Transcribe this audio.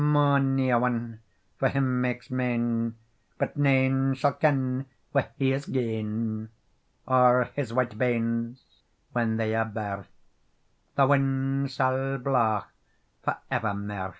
"Mony a one for him makes mane, But nane sall ken whae he is gane, Oer his white banes, when they are bare, The wind sall blaw for evermair."